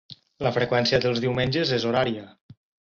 La freqüència dels diumenges és horària.